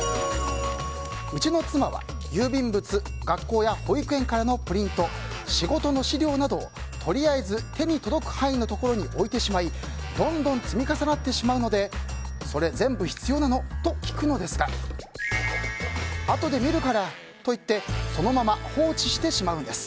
うちの妻は、郵便物学校や保育園からのプリント仕事の資料などを、とりあえず手に届く範囲のところに置いてしまいどんどん積み重なってしまうのでそれ、全部必要なの？と聞くのですがあとで見るからと言ってそのまま放置してしまうんです。